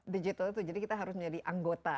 digital itu jadi kita harus menjadi anggota